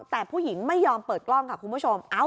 แต่ผู้หญิงไม่ยอมเปิดกล้องค่ะคุณผู้ชม